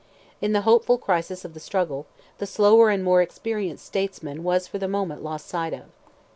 In the hopeful crisis of the struggle, the slower and more experienced statesman was for the moment lost sight of.